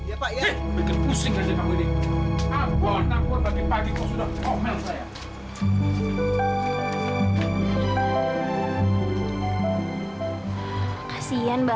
ampun ampun pagi pagi kau sudah omel saya